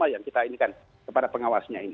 yang kita inikan kepada pengawasnya ini